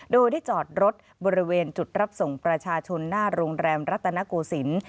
โดยได้จอดรถบริเวณจุดรับส่งประชาชนหน้าโรงแรมรัตนโกศิลป์